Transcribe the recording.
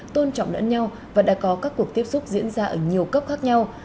tôn trọng lẫn nhau và đã có các cuộc tiếp xúc diễn ra ở nhiều cấp khác nhau